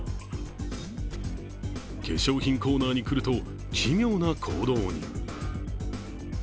化粧品コーナーに来ると奇妙な行動に。